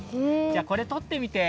じゃあこれとってみて。